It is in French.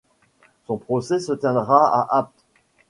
Son procès se tiendra à Apt.